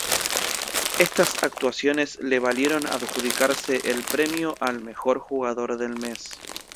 Estas actuaciones le valieron adjudicarse el premio al Mejor Jugador del Mes.